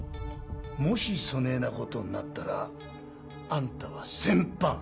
もしそねぇなことんなったらあんたは戦犯！